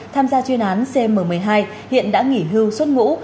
tham gia chuyên án cm một mươi hai hiện đã nghỉ hưu suốt ngủ